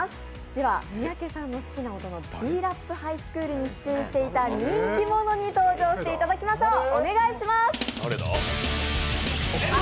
では、三宅さんの好きな音の「Ｂ−ＲＡＰハイスクール」に出演していた人気者に登場していただきましょう。